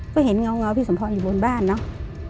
ก็เห็นเงาพี่สมพรอยู่บนบ้านเนอะ